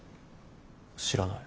知らない。